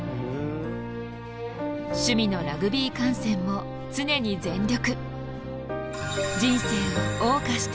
趣味のラグビー観戦も常に全力。